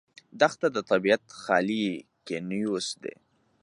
دښته د طبیعت خالي کینوس دی.